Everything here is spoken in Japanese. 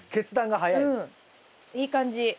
いい感じ。